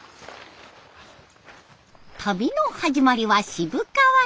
旅の始まりは渋川市。